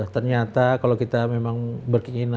ternyata kalau kita memang berkeinginan mau cepat itu bisa ternyata